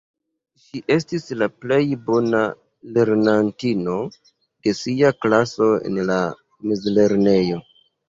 Ŝi estis la plej bona lernantino de sia klaso en la mezlernejo.